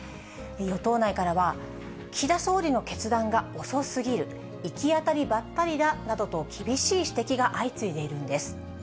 与党内からは、岸田総理の決断が遅すぎる、行き当たりばったりだなどと厳しい指摘が相次いでいるんです。